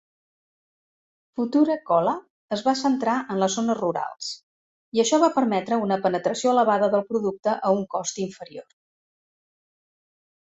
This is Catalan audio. Future Cola es va centrar en les zones rurals i això va permetre una penetració elevada del producte a un cost inferior.